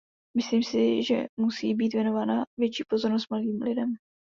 Myslím si, že musí být věnována větší pozornost mladých lidem.